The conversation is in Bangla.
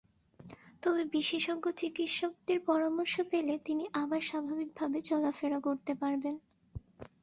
তবে বিশেষজ্ঞ চিকিৎসকের পরামর্শ পেলে তিনি আবার স্বাভাবিকভাবে চলাফেরা করতে পারবেন।